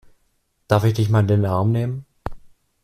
Darf ich dich mal in den Arm nehmen?